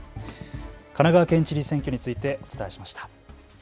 神奈川県知事選挙についてお伝えしました。